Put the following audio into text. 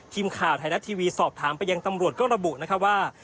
ทีมข่าวไทยรัฐทีวีสอบถามไปยังตำรวจก็ระบุนะครับว่า